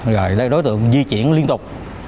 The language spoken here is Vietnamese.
rồi đối tượng di chuyển liên tục